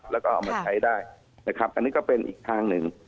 แล้วก็เอามาใช้ได้นะครับอันนี้ก็เป็นอีกทางหนึ่ง